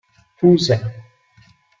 Hou Sen